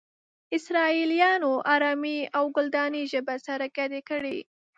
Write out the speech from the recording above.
اسرائيليانو آرامي او کلداني ژبې سره گډې کړې.